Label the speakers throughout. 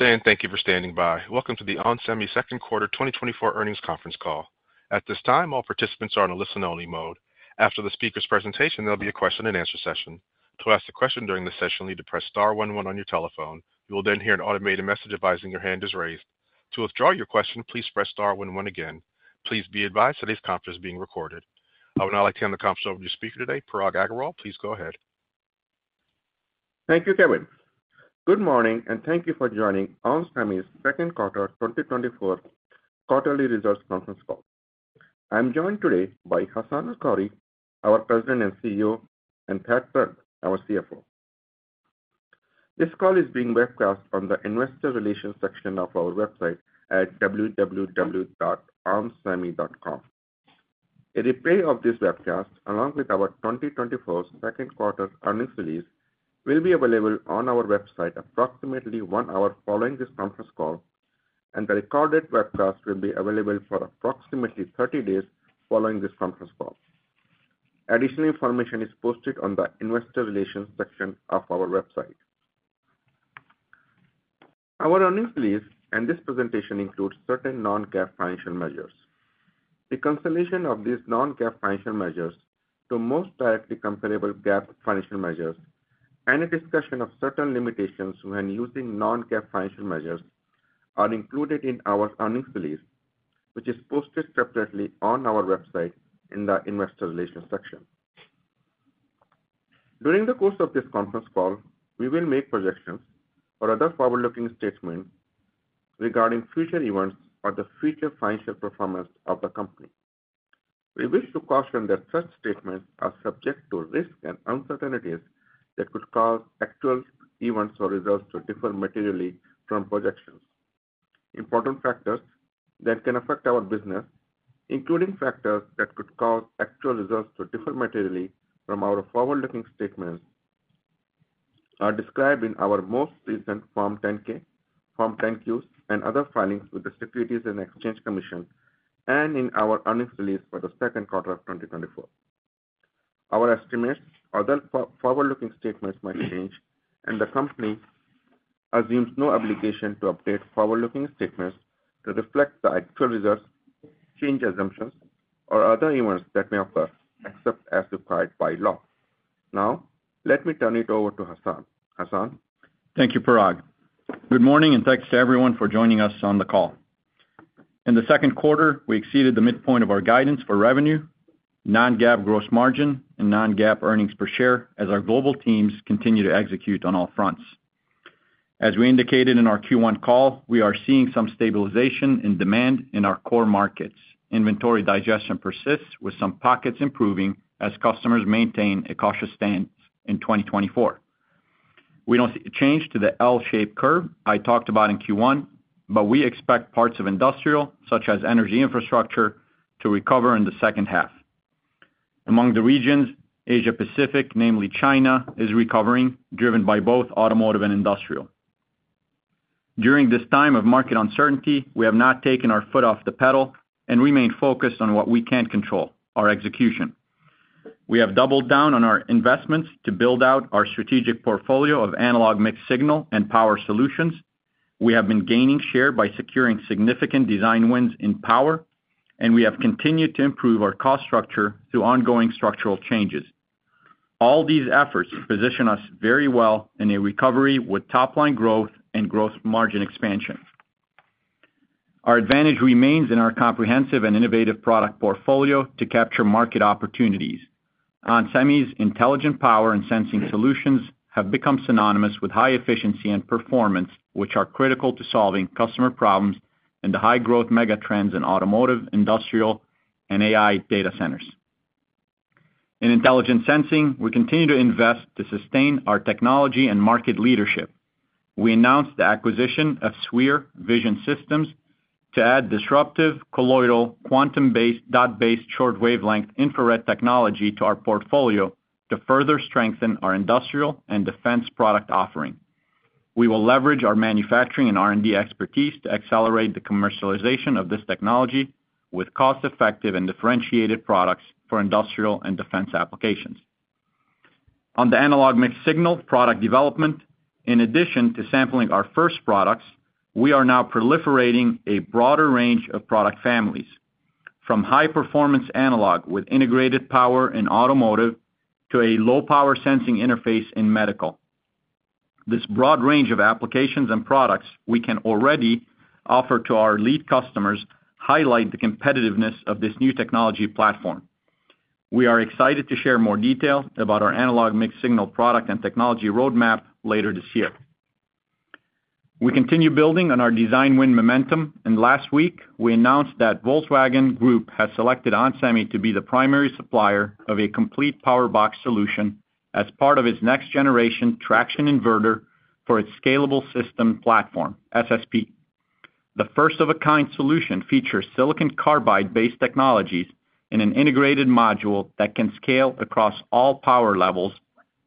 Speaker 1: Good day, and thank you for standing by. Welcome to the onsemi Q2 2024 Earnings Conference Call. At this time, all participants are on a listen-only mode. After the speaker's presentation, there'll be a Q&A session. To ask a question during the session, you need to press star one one on your telephone. You will then hear an automated message advising your hand is raised. To withdraw your question, please press star one one again. Please be advised today's conference is being recorded. I would now like to hand the conference over to your speaker today, Parag Agarwal. Please go ahead.
Speaker 2: Thank you, Kevin. Good morning, and thank you for joining onsemi's Q2 2024 Quarterly Results Conference Call. I'm joined today by Hassane El-Khoury, our President and CEO, and Thad Trent, our CFO. This call is being webcast on the Investor Relations section of our website at www.onsemi.com. A replay of this webcast, along with our 2024 Q2 earnings release, will be available on our website approximately one hour following this conference call, and the recorded webcast will be available for approximately 30 days following this conference call. Additional information is posted on the Investor Relations section of our website. Our earnings release and this presentation includes certain non-GAAP financial measures. The reconciliation of these non-GAAP financial measures to most directly comparable GAAP financial measures and a discussion of certain limitations when using non-GAAP financial measures are included in our earnings release, which is posted separately on our website in the Investor Relations section. During the course of this conference call, we will make projections or other forward-looking statements regarding future events or the future financial performance of the company. We wish to caution that such statements are subject to risks and uncertainties that could cause actual events or results to differ materially from projections. Important factors that can affect our business, including factors that could cause actual results to differ materially from our forward-looking statements, are described in our most recent Form 10-K, Form 10-Qs, and other filings with the Securities and Exchange Commission, and in our earnings release for the Q2 of 2024. Our estimates or other forward-looking statements might change, and the company assumes no obligation to update forward-looking statements to reflect the actual results, change assumptions, or other events that may occur, except as required by law. Now, let me turn it over to Hassane. Hassane?
Speaker 3: Thank you, Parag. Good morning, and thanks to everyone for joining us on the call. In the Q2, we exceeded the midpoint of our guidance for revenue, non-GAAP gross margin, and non-GAAP earnings per share as our global teams continue to execute on all fronts. As we indicated in our Q1 call, we are seeing some stabilization in demand in our core markets. Inventory digestion persists, with some pockets improving as customers maintain a cautious stance in 2024. We don't see a change to the L-shaped curve I talked about in Q1, but we expect parts of industrial, such as energy infrastructure, to recover in the second half. Among the regions, Asia Pacific, namely China, is recovering, driven by both automotive and industrial. During this time of market uncertainty, we have not taken our foot off the pedal and remain focused on what we can control, our execution. We have doubled down on our investments to build out our strategic portfolio of analog and mixed-signal and power solutions. We have been gaining share by securing significant design wins in power, and we have continued to improve our cost structure through ongoing structural changes. All these efforts position us very well in a recovery with top-line growth and gross margin expansion. Our advantage remains in our comprehensive and innovative product portfolio to capture market opportunities. onsemi's intelligent power and sensing solutions have become synonymous with high efficiency and performance, which are critical to solving customer problems and the high-growth megatrends in automotive, industrial, and AI data centers. In intelligent sensing, we continue to invest to sustain our technology and market leadership. We announced the acquisition of SWIR Vision Systems to add disruptive, colloidal quantum dot-based short-wavelength infrared technology to our portfolio to further strengthen our industrial and defense product offering. We will leverage our manufacturing and R&D expertise to accelerate the commercialization of this technology with cost-effective and differentiated products for industrial and defense applications. On the analog mixed-signal product development, in addition to sampling our first products, we are now proliferating a broader range of product families, from high-performance analog with integrated power and automotive to a low-power sensing interface in medical. This broad range of applications and products we can already offer to our lead customers highlight the competitiveness of this new technology platform. We are excited to share more detail about our analog mixed-signal product and technology roadmap later this year. We continue building on our design win momentum, and last week, we announced that Volkswagen Group has selected onsemi to be the primary supplier of a complete power box solution as part of its next-generation traction inverter for its scalable system platform, SSP. The first-of-a-kind solution features silicon carbide-based technologies in an integrated module that can scale across all power levels,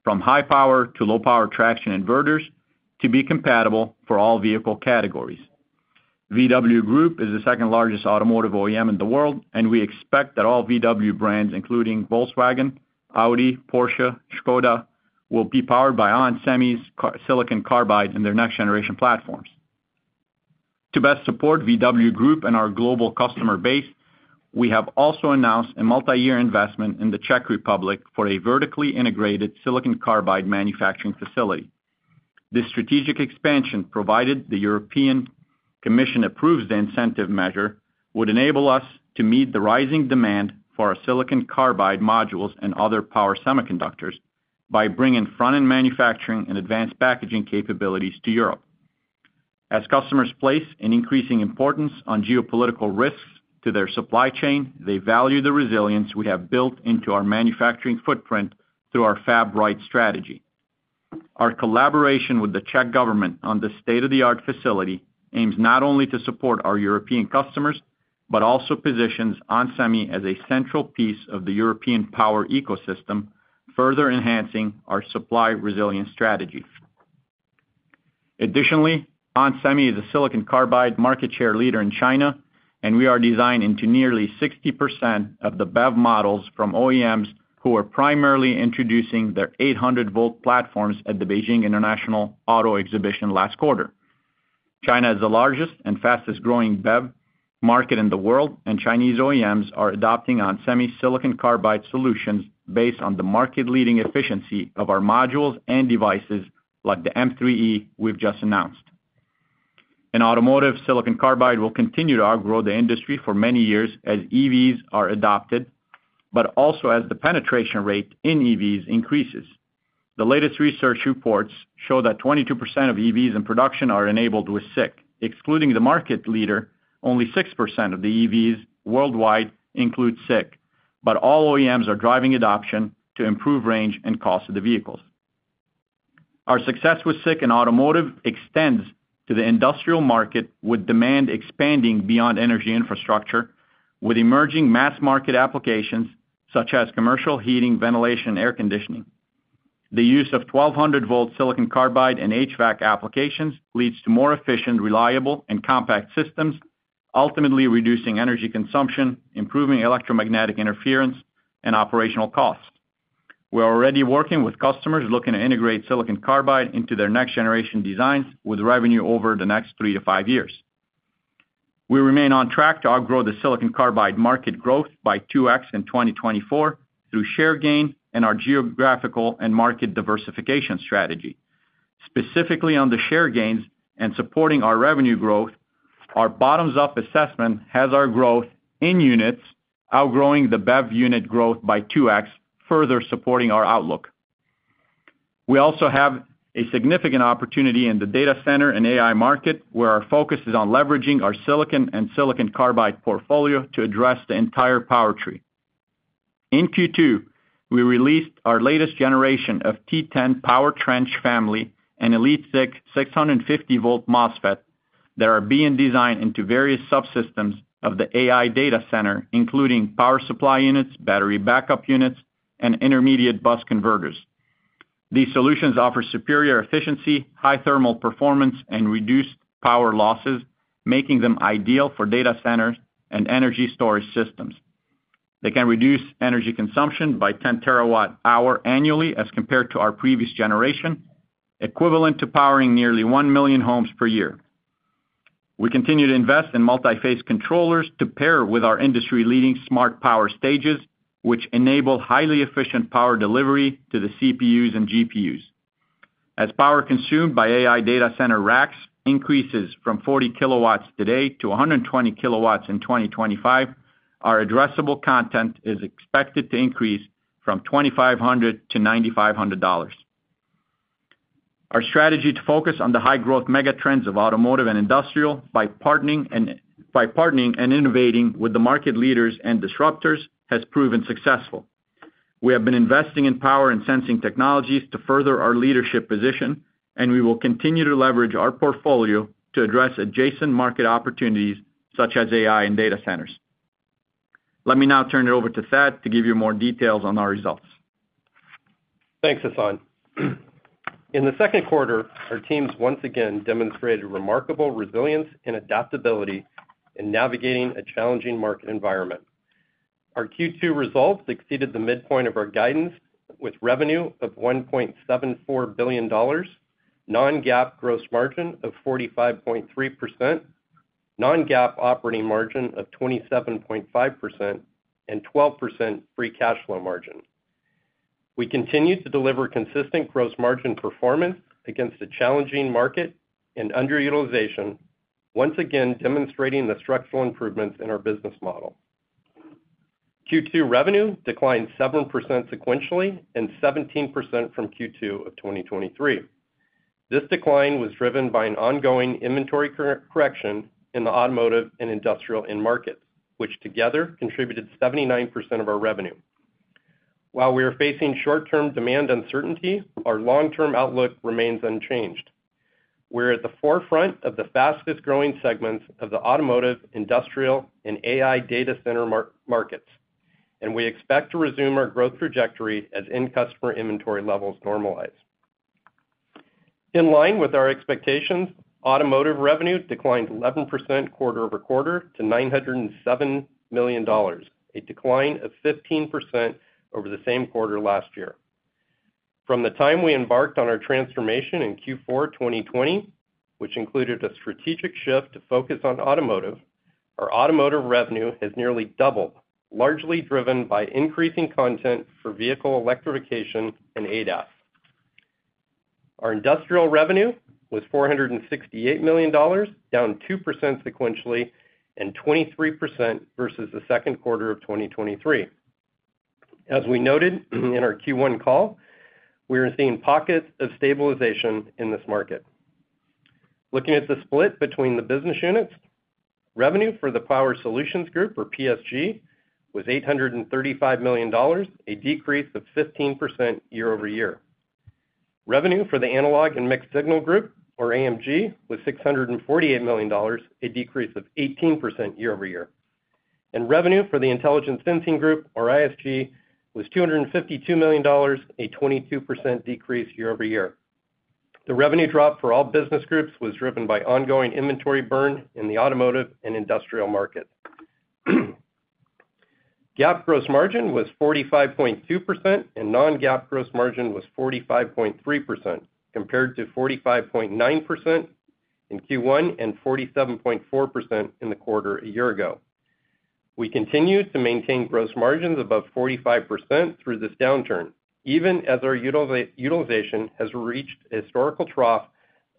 Speaker 3: from high power to low power traction inverters, to be compatible for all vehicle categories. VW Group is the second largest automotive OEM in the world, and we expect that all VW brands, including Volkswagen, Audi, Porsche, Škoda, will be powered by onsemi's SiC silicon carbide in their next generation platforms. To best support VW Group and our global customer base, we have also announced a multi-year investment in the Czech Republic for a vertically integrated silicon carbide manufacturing facility. This strategic expansion, provided the European Commission approves the incentive measure, would enable us to meet the rising demand for our silicon carbide modules and other power semiconductors by bringing front-end manufacturing and advanced packaging capabilities to Europe. As customers place an increasing importance on geopolitical risks to their supply chain, they value the resilience we have built into our manufacturing footprint through our Fab Right strategy. Our collaboration with the Czech government on this state-of-the-art facility aims not only to support our European customers, but also positions onsemi as a central piece of the European power ecosystem, further enhancing our supply resilience strategy. Additionally, onsemi is a silicon carbide market share leader in China, and we are designed into nearly 60% of the BEV models from OEMs who are primarily introducing their 800-volt platforms at the Beijing International Auto Exhibition last quarter. China is the largest and fastest growing BEV market in the world, and Chinese OEMs are adopting onsemi silicon carbide solutions based on the market-leading efficiency of our modules and devices, like the M3e we've just announced. In automotive, silicon carbide will continue to outgrow the industry for many years as EVs are adopted, but also as the penetration rate in EVs increases. The latest research reports show that 22% of EVs in production are enabled with SiC. Excluding the market leader, only 6% of the EVs worldwide include SiC, but all OEMs are driving adoption to improve range and cost of the vehicles. Our success with SiC in automotive extends to the industrial market, with demand expanding beyond energy infrastructure, with emerging mass market applications such as commercial heating, ventilation, and air conditioning. The use of 1200-volt silicon carbide in HVAC applications leads to more efficient, reliable, and compact systems, ultimately reducing energy consumption, improving electromagnetic interference, and operational costs. We are already working with customers looking to integrate silicon carbide into their next-generation designs, with revenue over the next 3-5 years. We remain on track to outgrow the silicon carbide market growth by 2x in 2024 through share gain and our geographical and market diversification strategy. Specifically, on the share gains and supporting our revenue growth, our bottoms-up assessment has our growth in units outgrowing the BEV unit growth by 2x, further supporting our outlook. We also have a significant opportunity in the data center and AI market, where our focus is on leveraging our silicon and silicon carbide portfolio to address the entire power tree. In Q2, we released our latest generation of T10 PowerTrench family and EliteSiC 650-volt MOSFET that are being designed into various subsystems of the AI data center, including power supply units, battery backup units, and intermediate bus converters. These solutions offer superior efficiency, high thermal performance, and reduced power losses, making them ideal for data centers and energy storage systems. They can reduce energy consumption by 10 terawatt-hours annually as compared to our previous generation, equivalent to powering nearly 1 million homes per year. We continue to invest in multiphase controllers to pair with our industry-leading smart power stages, which enable highly efficient power delivery to the CPUs and GPUs. As power consumed by AI data center racks increases from 40 kW today to 120 kW in 2025, our addressable content is expected to increase from $2,500 to $9,500. Our strategy to focus on the high growth mega trends of automotive and industrial by partnering and innovating with the market leaders and disruptors has proven successful. We have been investing in power and sensing technologies to further our leadership position, and we will continue to leverage our portfolio to address adjacent market opportunities such as AI and data centers. Let me now turn it over to Thad to give you more details on our results.
Speaker 4: Thanks, Hassane. In the Q2, our teams once again demonstrated remarkable resilience and adaptability in navigating a challenging market environment. Our Q2 results exceeded the midpoint of our guidance, with revenue of $1.74 billion, non-GAAP gross margin of 45.3%, non-GAAP operating margin of 27.5%, and 12% free cash flow margin. We continued to deliver consistent gross margin performance against a challenging market and underutilization, once again demonstrating the structural improvements in our business model. Q2 revenue declined 7% sequentially and 17% from Q2 of 2023. This decline was driven by an ongoing inventory correction in the automotive and industrial end markets, which together contributed 79% of our revenue. While we are facing short-term demand uncertainty, our long-term outlook remains unchanged. We're at the forefront of the fastest growing segments of the automotive, industrial, and AI data center markets, and we expect to resume our growth trajectory as end customer inventory levels normalize. In line with our expectations, automotive revenue declined 11% quarter-over-quarter to $907 million, a decline of 15% over the same quarter last year. From the time we embarked on our transformation in Q4 2020, which included a strategic shift to focus on automotive, our automotive revenue has nearly doubled, largely driven by increasing content for vehicle electrification and ADAS. Our industrial revenue was $468 million, down 2% sequentially and 23% versus the Q2 of 2023. As we noted in our Q1 call, we are seeing pockets of stabilization in this market. Looking at the split between the business units, revenue for the Power Solutions Group, or PSG, was $835 million, a decrease of 15% year-over-year. Revenue for the Analog and Mixed-Signal Group, or AMG, was $648 million, a decrease of 18% year-over-year. And revenue for the Intelligent Sensing Group, or ISG, was $252 million, a 22% decrease year-over-year. The revenue drop for all business groups was driven by ongoing inventory burn in the automotive and industrial market. GAAP gross margin was 45.2%, and non-GAAP gross margin was 45.3%, compared to 45.9% in Q1 and 47.4% in the quarter a year ago. We continue to maintain gross margins above 45% through this downturn, even as our utilization has reached a historical trough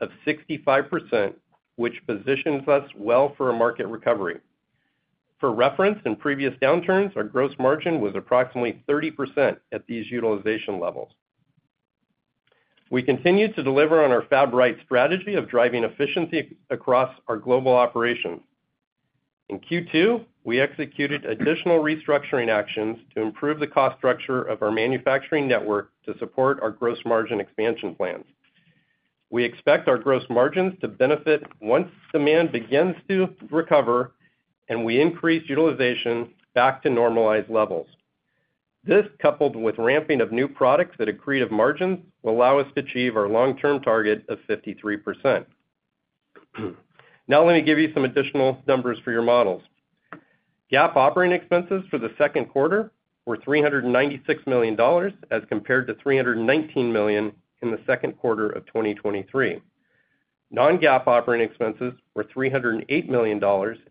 Speaker 4: of 65%, which positions us well for a market recovery. For reference, in previous downturns, our gross margin was approximately 30% at these utilization levels. We continue to deliver on our Fab Right strategy of driving efficiency across our global operations. In Q2, we executed additional restructuring actions to improve the cost structure of our manufacturing network to support our gross margin expansion plans. We expect our gross margins to benefit once demand begins to recover, and we increase utilization back to normalized levels. This, coupled with ramping of new products at accretive margins, will allow us to achieve our long-term target of 53%. Now, let me give you some additional numbers for your models. GAAP operating expenses for the Q2 were $396 million, as compared to $319 million in the Q2 of 2023. Non-GAAP operating expenses were $308 million,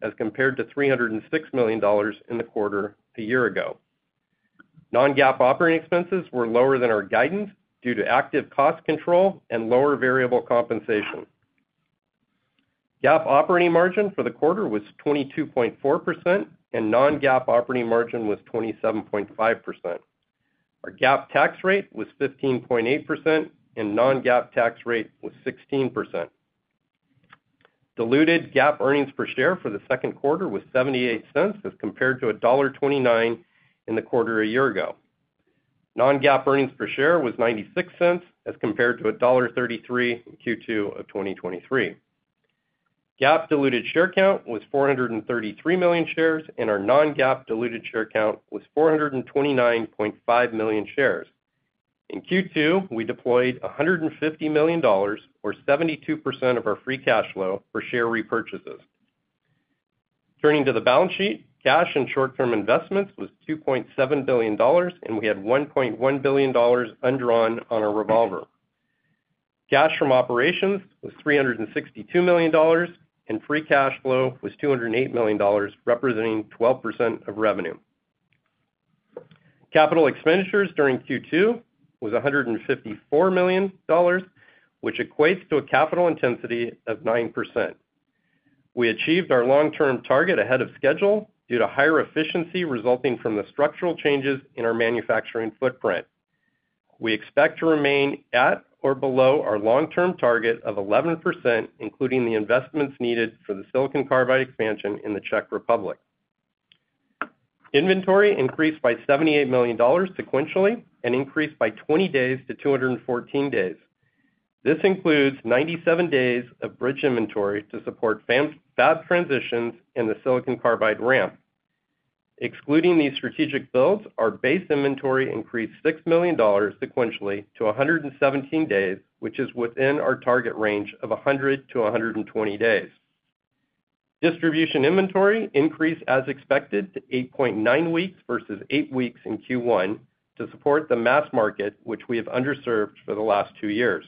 Speaker 4: as compared to $306 million in the quarter a year ago. Non-GAAP operating expenses were lower than our guidance due to active cost control and lower variable compensation. GAAP operating margin for the quarter was 22.4%, and non-GAAP operating margin was 27.5%. Our GAAP tax rate was 15.8%, and non-GAAP tax rate was 16%. Diluted GAAP earnings per share for the Q2 was $0.78, as compared to $1.29 in the quarter a year ago. Non-GAAP earnings per share was $0.96, as compared to $1.33 in Q2 of 2023. GAAP diluted share count was 433 million shares, and our non-GAAP diluted share count was 429.5 million shares. In Q2, we deployed $150 million, or 72% of our free cash flow, for share repurchases. Turning to the balance sheet, cash and short-term investments was $2.7 billion, and we had $1.1 billion undrawn on our revolver. Cash from operations was $362 million, and free cash flow was $208 million, representing 12% of revenue. Capital expenditures during Q2 was $154 million, which equates to a capital intensity of 9%. We achieved our long-term target ahead of schedule due to higher efficiency resulting from the structural changes in our manufacturing footprint. We expect to remain at or below our long-term target of 11%, including the investments needed for the silicon carbide expansion in the Czech Republic. Inventory increased by $78 million sequentially and increased by 20 days to 214 days. This includes 97 days of bridge inventory to support fab transitions in the silicon carbide ramp. Excluding these strategic builds, our base inventory increased $6 million sequentially to 117 days, which is within our target range of 100-120 days. Distribution inventory increased as expected to 8.9 weeks versus 8 weeks in Q1 to support the mass market, which we have underserved for the last 2 years.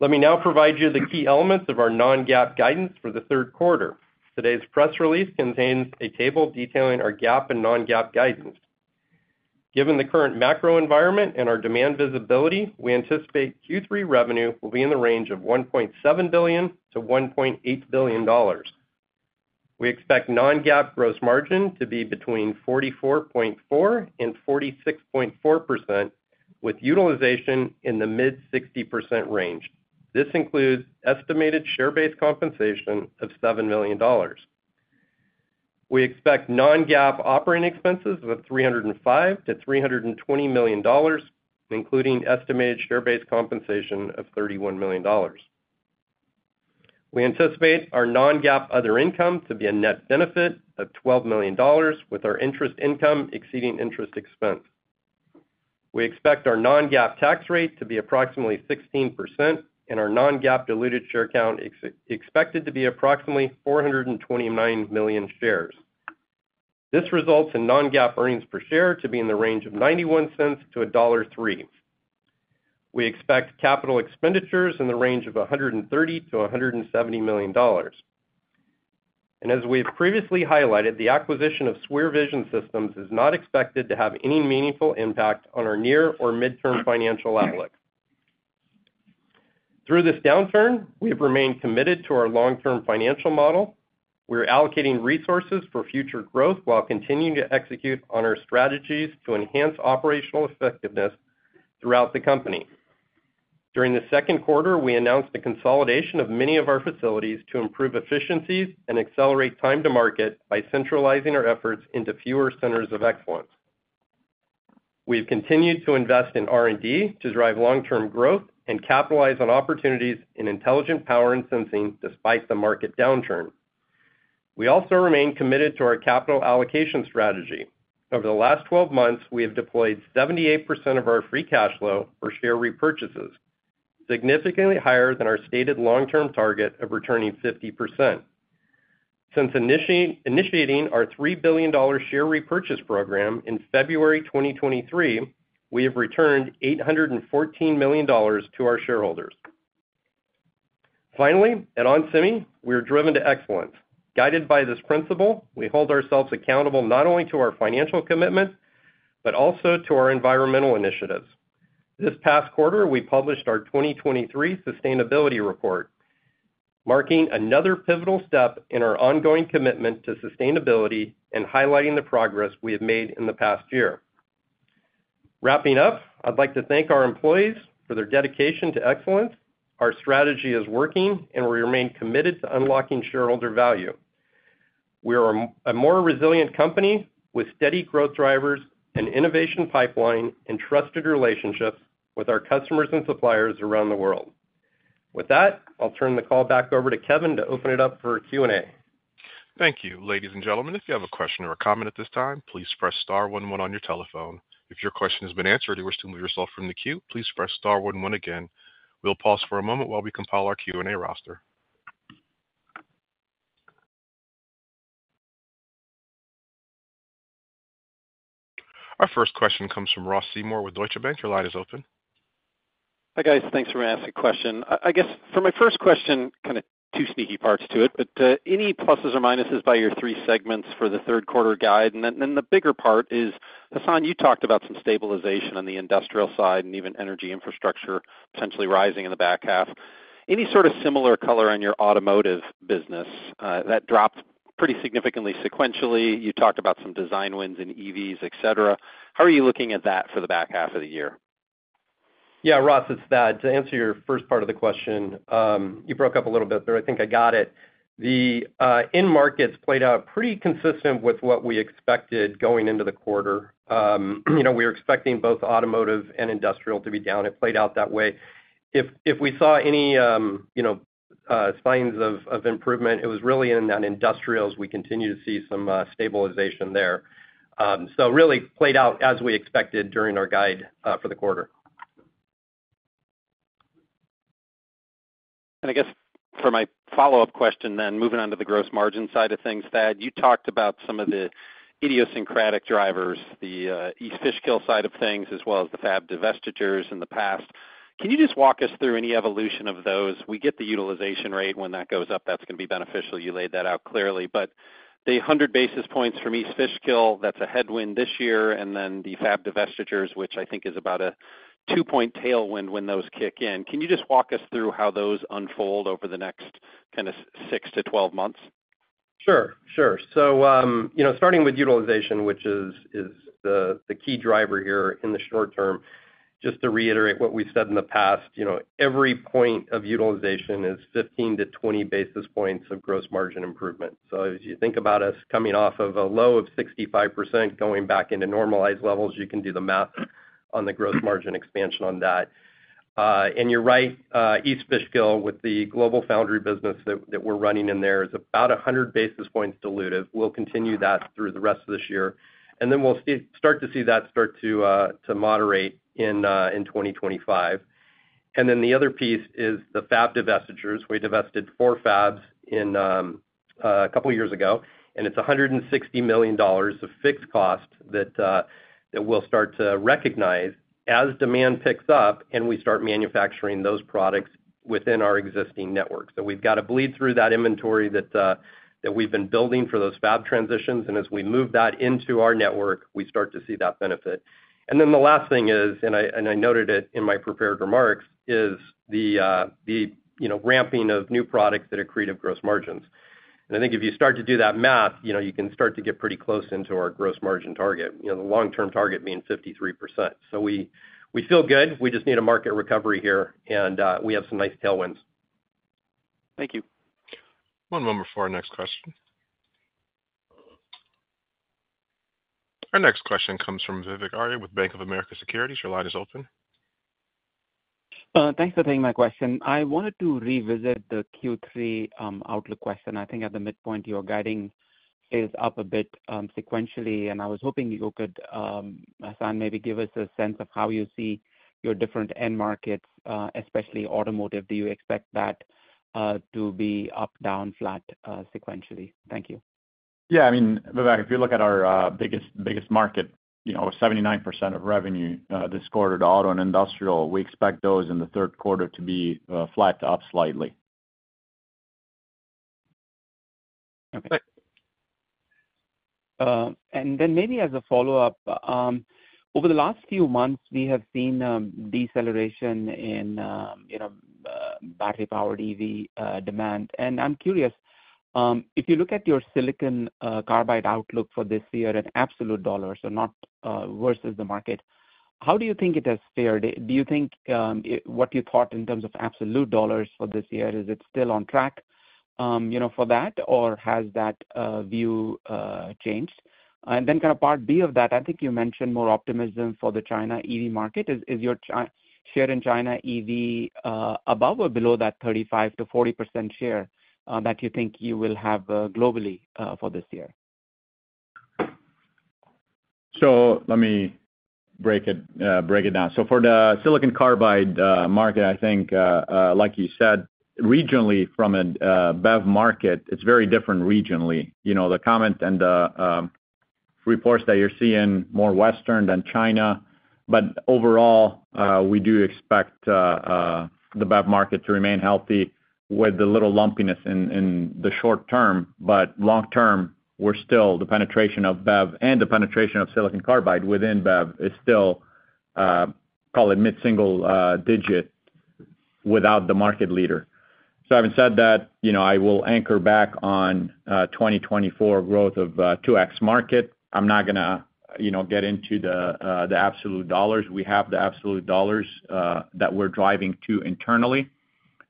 Speaker 4: Let me now provide you the key elements of our non-GAAP guidance for the Q3. Today's press release contains a table detailing our GAAP and non-GAAP guidance. Given the current macro environment and our demand visibility, we anticipate Q3 revenue will be in the range of $1.7 billion-$1.8 billion. We expect non-GAAP gross margin to be between 44.4%-46.4%, with utilization in the mid-60% range. This includes estimated share-based compensation of $7 million. We expect non-GAAP operating expenses of $305 million-$320 million, including estimated share-based compensation of $31 million. We anticipate our non-GAAP other income to be a net benefit of $12 million, with our interest income exceeding interest expense. We expect our non-GAAP tax rate to be approximately 16% and our non-GAAP diluted share count expected to be approximately 429 million shares. This results in non-GAAP earnings per share to be in the range of $0.91-$1.03. We expect capital expenditures in the range of $130-$170 million. And as we've previously highlighted, the acquisition of SWIR Vision Systems is not expected to have any meaningful impact on our near or midterm financial outlook. Through this downturn, we have remained committed to our long-term financial model. We're allocating resources for future growth while continuing to execute on our strategies to enhance operational effectiveness throughout the company. During the Q2, we announced the consolidation of many of our facilities to improve efficiencies and accelerate time to market by centralizing our efforts into fewer centers of excellence. We've continued to invest in R&D to drive long-term growth and capitalize on opportunities in intelligent power and sensing despite the market downturn. We also remain committed to our capital allocation strategy. Over the last 12 months, we have deployed 78% of our free cash flow for share repurchases, significantly higher than our stated long-term target of returning 50%. Since initiating our $3 billion share repurchase program in February 2023, we have returned $814 million to our shareholders. Finally, at onsemi, we are driven to excellence. Guided by this principle, we hold ourselves accountable not only to our financial commitments, but also to our environmental initiatives. This past quarter, we published our 2023 sustainability report, marking another pivotal step in our ongoing commitment to sustainability and highlighting the progress we have made in the past year. Wrapping up, I'd like to thank our employees for their dedication to excellence. Our strategy is working, and we remain committed to unlocking shareholder value. We are a more resilient company with steady growth drivers and innovation pipeline, and trusted relationships with our customers and suppliers around the world. With that, I'll turn the call back over to Kevin to open it up for Q&A.
Speaker 1: Thank you. Ladies and gentlemen, if you have a question or a comment at this time, please press star one one on your telephone. If your question has been answered and you wish to remove yourself from the queue, please press star one one again. We'll pause for a moment while we compile our Q&A roster. Our first question comes from Ross Seymore with Deutsche Bank. Your line is open.
Speaker 5: Hi, guys. Thanks for letting me ask a question. I guess for my first question, kind of two sneaky parts to it, but any pluses or minuses by your three segments for the Q3 guide? And then the bigger part is, Hassane, you talked about some stabilization on the industrial side and even energy infrastructure potentially rising in the back half. Any sort of similar color on your automotive business that dropped pretty significantly sequentially. You talked about some design wins in EVs, et cetera. How are you looking at that for the back half of the year?
Speaker 4: Yeah, Ross, it's Thad. To answer your first part of the question, you broke up a little bit there. I think I got it. The end markets played out pretty consistent with what we expected going into the quarter. You know, we were expecting both automotive and industrial to be down. It played out that way. If we saw any, you know, signs of improvement, it was really in industrials. We continue to see some stabilization there. So really played out as we expected during our guide for the quarter.
Speaker 5: I guess for my follow-up question then, moving on to the gross margin side of things, Thad, you talked about some of the idiosyncratic drivers, the East Fishkill side of things, as well as the fab divestitures in the past. Can you just walk us through any evolution of those? We get the utilization rate. When that goes up, that's going to be beneficial. You laid that out clearly. But the 100 basis points from East Fishkill, that's a headwind this year, and then the fab divestitures, which I think is about a 2-point tailwind when those kick in. Can you just walk us through how those unfold over the next kind of 6 to 12 months?
Speaker 4: Sure, sure. So, you know, starting with utilization, which is the key driver here in the short term, just to reiterate what we've said in the past, you know, every point of utilization is 15-20 basis points of gross margin improvement. So as you think about us coming off of a low of 65%, going back into normalized levels, you can do the math on the gross margin expansion on that. And you're right, East Fishkill, with the global foundry business that we're running in there, is about 100 basis points dilutive. We'll continue that through the rest of this year, and then we'll start to see that start to moderate in 2025. And then the other piece is the fab divestitures. We divested four fabs in a couple of years ago, and it's $160 million of fixed cost that we'll start to recognize as demand picks up and we start manufacturing those products within our existing network. So we've got to bleed through that inventory that we've been building for those fab transitions, and as we move that into our network, we start to see that benefit. And then the last thing is, and I noted it in my prepared remarks, is the you know, ramping of new products that accretive gross margins. And I think if you start to do that math, you know, you can start to get pretty close into our gross margin target. You know, the long-term target being 53%. So we feel good. We just need a market recovery here, and we have some nice tailwinds.
Speaker 5: Thank you.
Speaker 1: One moment before our next question.... Our next question comes from Vivek Arya with Bank of America Securities. Your line is open.
Speaker 6: Thanks for taking my question. I wanted to revisit the Q3 outlook question. I think at the midpoint, your guiding is up a bit, sequentially, and I was hoping you could, Hassane, maybe give us a sense of how you see your different end markets, especially automotive. Do you expect that to be up, down, flat, sequentially? Thank you.
Speaker 3: Yeah, I mean, Vivek, if you look at our biggest, biggest market, you know, 79% of revenue this quarter to auto and industrial, we expect those in the Q3 to be flat to up slightly.
Speaker 6: Okay.
Speaker 3: But-
Speaker 6: And then maybe as a follow-up, over the last few months, we have seen deceleration in, you know, battery-powered EV demand. And I'm curious, if you look at your silicon carbide outlook for this year in absolute dollars, so not versus the market, how do you think it has fared? Do you think it—what you thought in terms of absolute dollars for this year, is it still on track, you know, for that, or has that view changed? And then kind of part B of that, I think you mentioned more optimism for the China EV market. Is your China share in China EV above or below that 35%-40% share that you think you will have globally for this year?
Speaker 3: So let me break it, break it down. So for the silicon carbide market, I think, like you said, regionally from a BEV market, it's very different regionally. You know, the comments and the reports that you're seeing more Western than China. But overall, we do expect the BEV market to remain healthy with the little lumpiness in the short term, but long term, we're still the penetration of BEV and the penetration of silicon carbide within BEV is still probably mid-single digit without the market leader. So having said that, you know, I will anchor back on 2024 growth of 2x market. I'm not gonna, you know, get into the absolute dollars. We have the absolute dollars that we're driving to internally,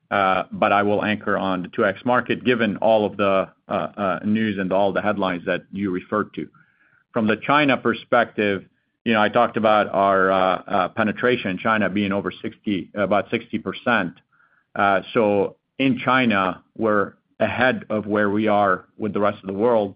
Speaker 3: but I will anchor on the 2x market, given all of the news and all the headlines that you referred to. From the China perspective, you know, I talked about our penetration in China being over 60-- about 60%. So in China, we're ahead of where we are with the rest of the world,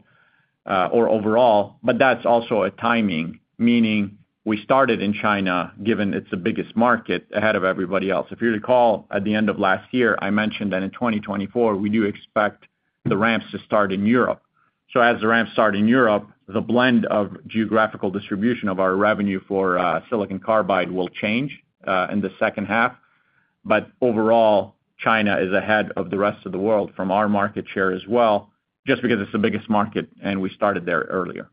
Speaker 3: or overall, but that's also a timing, meaning we started in China, given it's the biggest market, ahead of everybody else. If you recall, at the end of last year, I mentioned that in 2024, we do expect the ramps to start in Europe. So as the ramps start in Europe, the blend of geographical distribution of our revenue for silicon carbide will change in the second half. But overall, China is ahead of the rest of the world from our market share as well, just because it's the biggest market, and we started there earlier.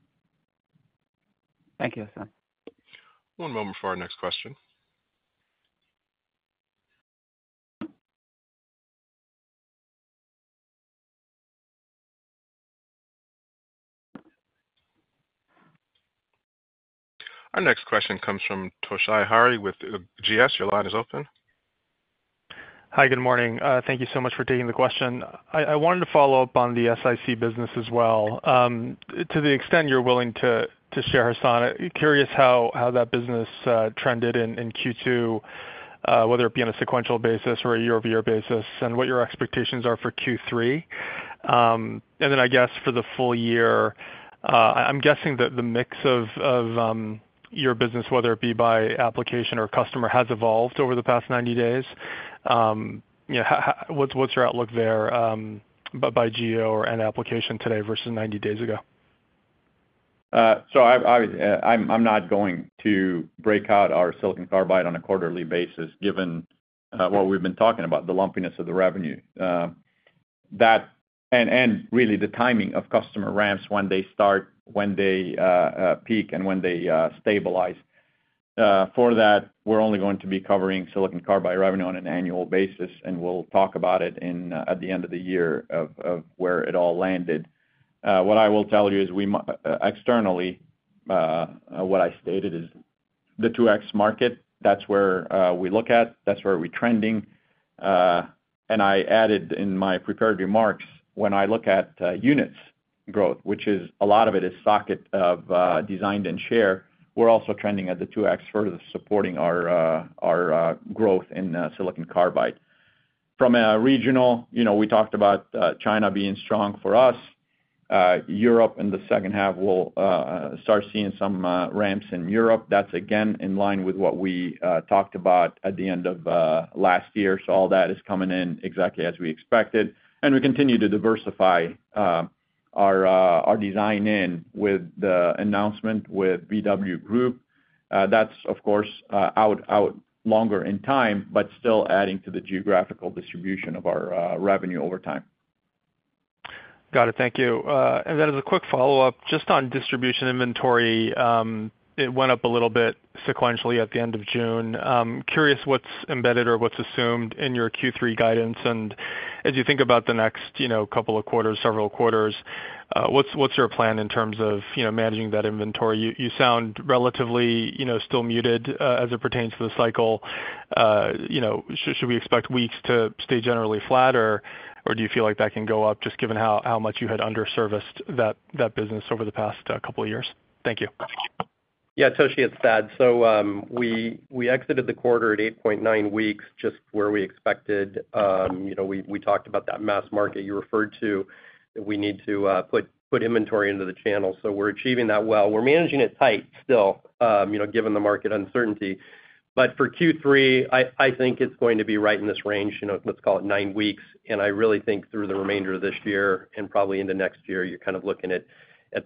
Speaker 6: Thank you, Hassane.
Speaker 1: One moment before our next question. Our next question comes from Toshiya Hari with GS. Your line is open.
Speaker 7: Hi, good morning. Thank you so much for taking the question. I wanted to follow up on the SiC business as well. To the extent you're willing to share, Hassane, curious how that business trended in Q2, whether it be on a sequential basis or a year-over-year basis, and what your expectations are for Q3. And then I guess for the full year, I'm guessing that the mix of your business, whether it be by application or customer, has evolved over the past 90 days. You know, how what's your outlook there, by geo or end application today versus 90 days ago?
Speaker 3: So, I'm not going to break out our silicon carbide on a quarterly basis, given what we've been talking about, the lumpiness of the revenue, and really the timing of customer ramps, when they start, when they peak, and when they stabilize. For that, we're only going to be covering silicon carbide revenue on an annual basis, and we'll talk about it at the end of the year of where it all landed. What I will tell you is, externally, what I stated is the 2X market, that's where we look at, that's where we're trending. I added in my prepared remarks, when I look at units growth, which is a lot of it is sockets of design wins and share, we're also trending at the 2x, further supporting our growth in silicon carbide. From a regional, you know, we talked about China being strong for us. Europe in the second half, we'll start seeing some ramps in Europe. That's again in line with what we talked about at the end of last year. So all that is coming in exactly as we expected, and we continue to diversify our design wins with the announcement with VW Group. That's, of course, out longer in time, but still adding to the geographical distribution of our revenue over time.
Speaker 7: Got it. Thank you. And then as a quick follow-up, just on distribution inventory, it went up a little bit sequentially at the end of June. Curious what's embedded or what's assumed in your Q3 guidance, and as you think about the next, you know, couple of quarters, several quarters, what's your plan in terms of, you know, managing that inventory? You sound relatively, you know, still muted, as it pertains to the cycle... you know, should we expect weeks to stay generally flat, or do you feel like that can go up, just given how much you had underserviced that business over the past, couple of years? Thank you.
Speaker 4: Yeah, Toshi, it's Thad. So, we exited the quarter at 8.9 weeks, just where we expected. You know, we talked about that mass market you referred to, that we need to put inventory into the channel, so we're achieving that well. We're managing it tight still, you know, given the market uncertainty. But for Q3, I think it's going to be right in this range, you know, let's call it 9 weeks, and I really think through the remainder of this year and probably into next year, you're kind of looking at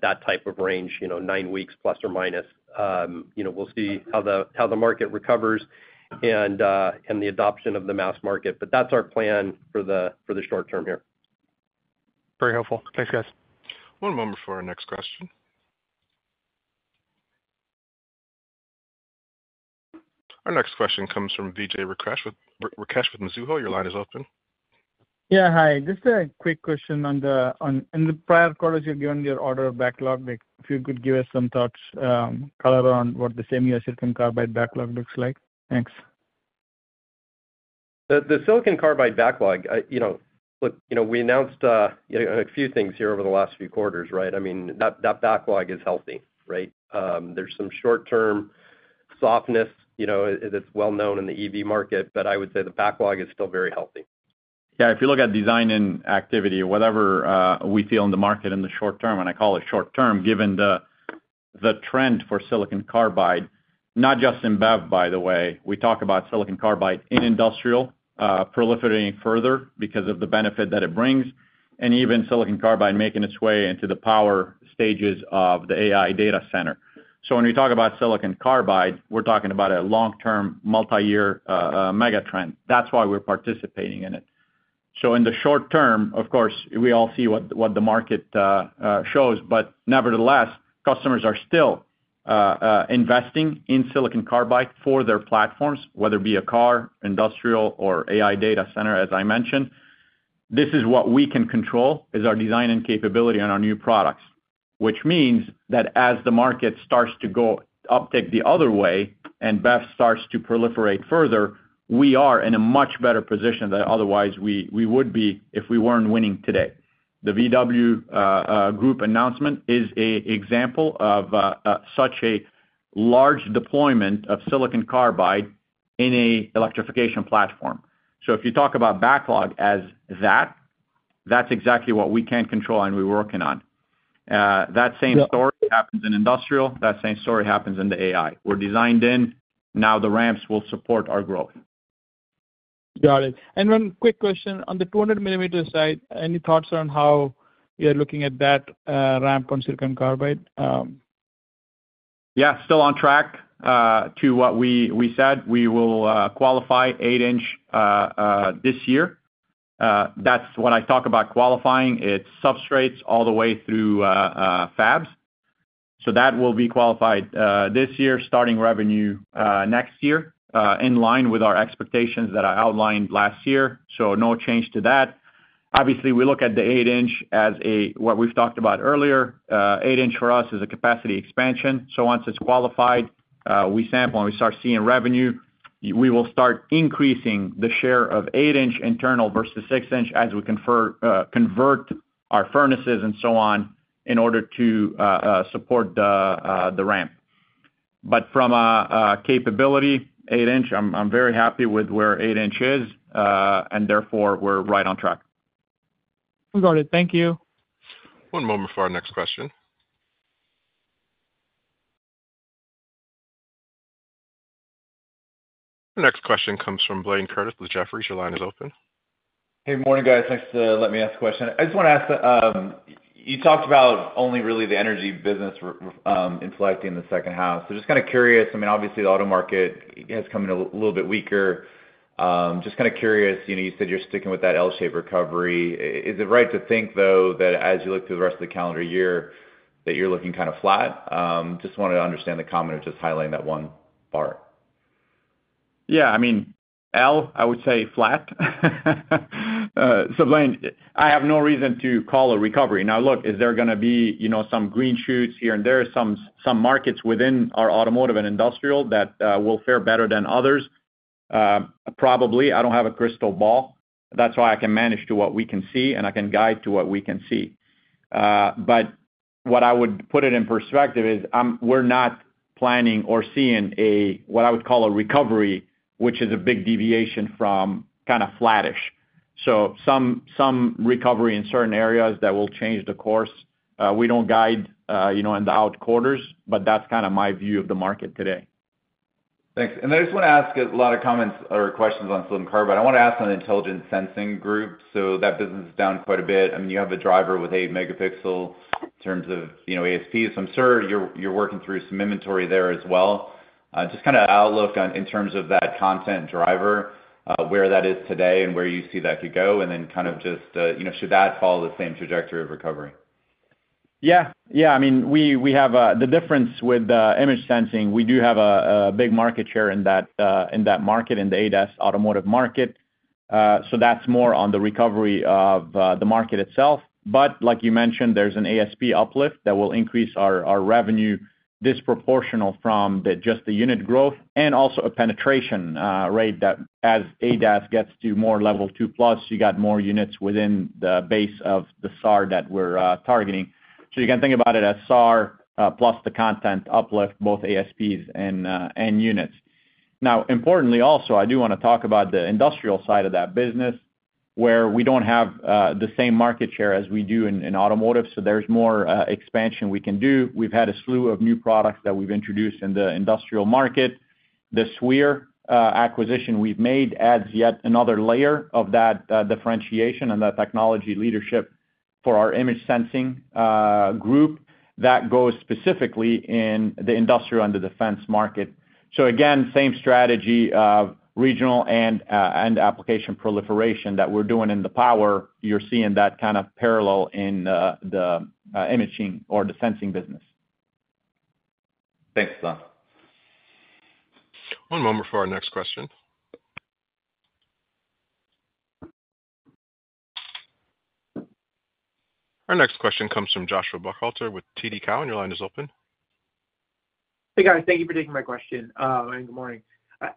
Speaker 4: that type of range, you know, 9 weeks, plus or minus. You know, we'll see how the market recovers and the adoption of the mass market. But that's our plan for the short term here.
Speaker 7: Very helpful. Thanks, guys.
Speaker 1: One moment for our next question. Our next question comes from Vijay Rakesh with Mizuho. Your line is open.
Speaker 8: Yeah, hi. Just a quick question on the on in the prior quarters, you've given your order of backlog. Like, if you could give us some thoughts, color on what the same year silicon carbide backlog looks like? Thanks.
Speaker 4: The silicon carbide backlog, you know, look, you know, we announced you know a few things here over the last few quarters, right? I mean, that backlog is healthy, right? There's some short-term softness, you know, it's well known in the EV market, but I would say the backlog is still very healthy.
Speaker 3: Yeah, if you look at design and activity, whatever, we feel in the market in the short term, and I call it short term, given the trend for silicon carbide, not just in BEV, by the way, we talk about silicon carbide in industrial, proliferating further because of the benefit that it brings, and even silicon carbide making its way into the power stages of the AI data center. So when we talk about silicon carbide, we're talking about a long-term, multi-year, mega trend. That's why we're participating in it. So in the short term, of course, we all see what the market shows, but nevertheless, customers are still investing in silicon carbide for their platforms, whether it be a car, industrial, or AI data center, as I mentioned. This is what we can control, is our design and capability on our new products. Which means that as the market starts to go uptick the other way, and BEV starts to proliferate further, we are in a much better position than otherwise we would be if we weren't winning today. The VW group announcement is an example of such a large deployment of silicon carbide in an electrification platform. So if you talk about backlog as that, that's exactly what we can control and we're working on. That same story-
Speaker 8: Yeah.
Speaker 3: happens in industrial, that same story happens in the AI. We're designed in, now the ramps will support our growth.
Speaker 8: Got it. And one quick question. On the 200 mm side, any thoughts on how you're looking at that, ramp on silicon carbide?
Speaker 3: Yeah, still on track to what we said. We will qualify 8-inch this year. That's when I talk about qualifying, it's substrates all the way through fabs. So that will be qualified this year, starting revenue next year, in line with our expectations that I outlined last year, so no change to that. Obviously, we look at the 8-inch as a, what we've talked about earlier, 8-inch for us is a capacity expansion, so once it's qualified, we sample and we start seeing revenue, we will start increasing the share of 8-inch internal versus 6-inch as we convert our furnaces and so on, in order to support the ramp. But from a capability, 8-inch, I'm very happy with where 8-inch is, and therefore, we're right on track.
Speaker 8: Got it. Thank you.
Speaker 1: One moment for our next question. The next question comes from Blayne Curtis with Jefferies. Your line is open.
Speaker 9: Hey, good morning, guys. Thanks for letting me ask a question. I just want to ask, you talked about only really the energy business in selecting the second half. So just kind of curious, I mean, obviously, the auto market has come in a little bit weaker. Just kind of curious, you know, you said you're sticking with that L-shaped recovery. Is it right to think, though, that as you look to the rest of the calendar year, that you're looking kind of flat? Just wanted to understand the comment or just highlighting that one part.
Speaker 3: Yeah, I mean, L-shaped, I would say flat. So Blaine, I have no reason to call a recovery. Now, look, is there gonna be, you know, some green shoots here and there, some markets within our automotive and industrial that will fare better than others? Probably. I don't have a crystal ball. That's why I can manage to what we can see, and I can guide to what we can see. But what I would put it in perspective is, we're not planning or seeing a what I would call a recovery, which is a big deviation from kind of flattish. So some recovery in certain areas that will change the course. We don't guide, you know, in the out quarters, but that's kind of my view of the market today.
Speaker 9: Thanks. I just want to ask a lot of comments or questions on silicon carbide. I want to ask on Intelligent Sensing Group. So that business is down quite a bit. I mean, you have a driver with 8 megapixel in terms of, you know, ASPs. I'm sure you're working through some inventory there as well. Just kind of outlook on, in terms of that content driver, where that is today and where you see that could go, and then kind of just, you know, should that follow the same trajectory of recovery?
Speaker 3: Yeah. Yeah, I mean, we have the difference with image sensing. We do have a big market share in that market, in the ADAS automotive market. So that's more on the recovery of the market itself. But like you mentioned, there's an ASP uplift that will increase our revenue disproportional from just the unit growth and also a penetration rate that as ADAS gets to more level two plus, you got more units within the base of the SAR that we're targeting. So you can think about it as SAR plus the content uplift, both ASPs and units. Now, importantly, also, I do wanna talk about the industrial side of that business, where we don't have the same market share as we do in automotive, so there's more expansion we can do. We've had a slew of new products that we've introduced in the industrial market. The SWIR acquisition we've made adds yet another layer of that differentiation and the technology leadership for our image sensing group that goes specifically in the industrial and the defense market. So again, same strategy of regional and application proliferation that we're doing in the power, you're seeing that kind of parallel in the imaging or the sensing business.
Speaker 1: Thanks, Hassane. One moment for our next question. Our next question comes from Joshua Buchalter with TD Cowen. Your line is open.
Speaker 10: Hey, guys. Thank you for taking my question, and good morning.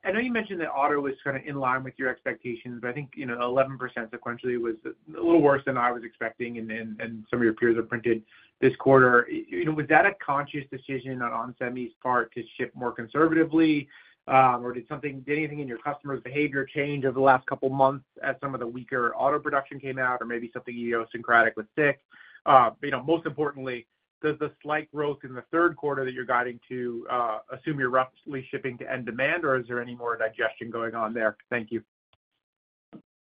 Speaker 10: I know you mentioned that auto was kind of in line with your expectations, but I think, you know, 11% sequentially was a little worse than I was expecting, and then, and some of your peers have printed this quarter. You know, was that a conscious decision on onsemi's part to ship more conservatively, or did something, did anything in your customers' behavior change over the last couple of months as some of the weaker auto production came out, or maybe something idiosyncratic with SiC? But, you know, most importantly, does the slight growth in the Q3 that you're guiding to assume you're roughly shipping to end demand, or is there any more digestion going on there? Thank you.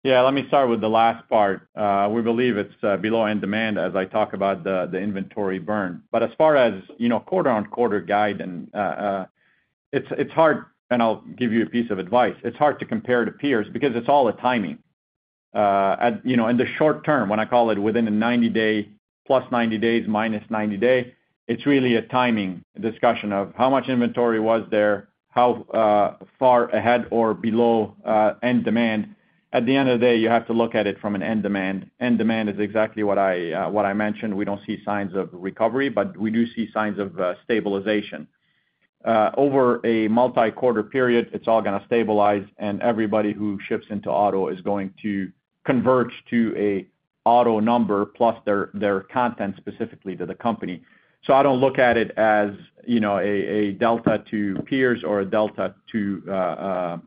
Speaker 3: Yeah, let me start with the last part. We believe it's below end demand, as I talk about the inventory burn. But as far as, you know, quarter on quarter guide and it's hard, and I'll give you a piece of advice. It's hard to compare to peers because it's all a timing. At, you know, in the short term, when I call it within a 90 day, plus 90 days, minus 90 day, it's really a timing discussion of how much inventory was there, how far ahead or below end demand. At the end of the day, you have to look at it from an end demand. End demand is exactly what I mentioned. We don't see signs of recovery, but we do see signs of stabilization. Over a multi-quarter period, it's all gonna stabilize, and everybody who ships into auto is going to converge to a auto number, plus their, their content specifically to the company. So I don't look at it as, you know, a delta to peers or a delta to